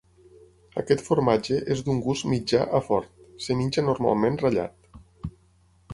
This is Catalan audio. Aquest formatge és d'un gust mitjà a fort; es menja normalment ratllat.